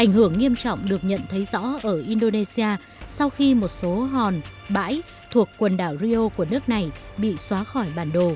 ảnh hưởng nghiêm trọng được nhận thấy rõ ở indonesia sau khi một số hòn bãi thuộc quần đảo rio của nước này bị xóa khỏi bản đồ kể từ năm hai nghìn năm